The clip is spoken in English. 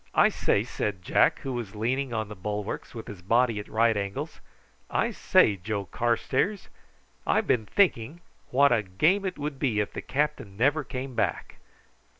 "I say," said Jack, who was leaning on the bulwarks, with his body at right angles; "I say, Joe Carstairs, I've been thinking what a game it would be if the captain never came back."